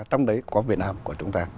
trong đấy có việt nam của chúng ta